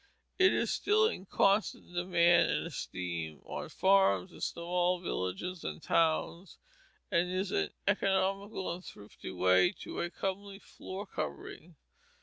It is still in constant demand and esteem on farms and in small villages and towns, and is an economical and thrifty, and may be a comely floor covering.